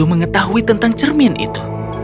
mengetahui tentang cermin itu